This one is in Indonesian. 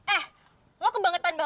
eh lo kebangetan banget ya